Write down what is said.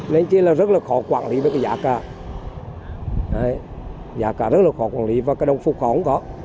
nên chứ là rất là khó quản lý với cái giả ca giả ca rất là khó quản lý và cả đồng phục họ cũng có